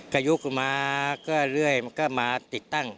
อายุกูมาก็เรื่อยมันก็มาติดตั้ง